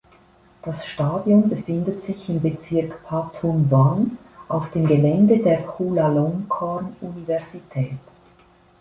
Das Stadion befindet sich im Bezirk Pathum Wan auf dem Gelände der Chulalongkorn-Universität.